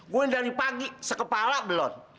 gue ini dari pagi sekepalak belon